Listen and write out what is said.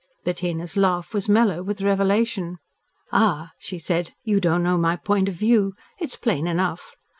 Bettina's laugh was mellow with revelation. "Ah!" she said. "You don't know my point of view; it's plain enough.